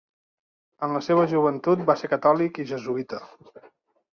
En la seva joventut va ser catòlic i jesuïta.